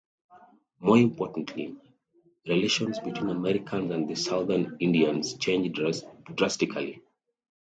More importantly, relations between Americans and the southern Indians changed drastically.